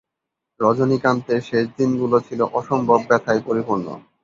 রজনীকান্তের শেষ দিনগুলো ছিল অসম্ভব ব্যথায় পরিপূর্ণ।